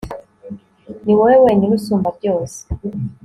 ni wowe wenyine usumba byose